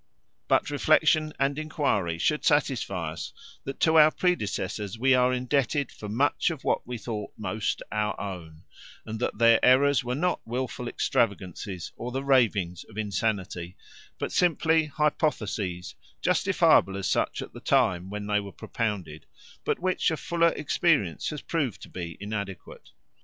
But reflection and enquiry should satisfy us that to our predecessors we are indebted for much of what we thought most our own, and that their errors were not wilful extravagances or the ravings of insanity, but simply hypotheses, justifiable as such at the time when they were propounded, but which a fuller experience has proved to be inadequate.